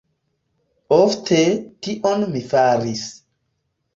Ofte, tion mi faris.